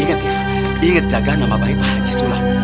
ingat ya inget jaga nama baik pak haji sulam